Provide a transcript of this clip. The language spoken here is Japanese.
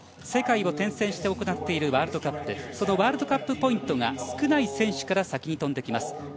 世界を転戦して行っているワールドカップワールドカップポイントが少ない選手から先に飛んできます。